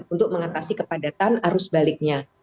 untuk mengatasi kepadatan arus baliknya